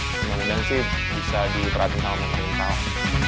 kemudian sih bisa diperhatikan oleh pemerintah